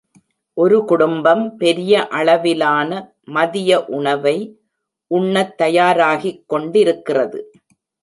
ஒரு குடும்பம் பெரிய அளவிலான மதிய உணவை உண்ணத் தயாராகிக் கொண்டிருக்கிறது.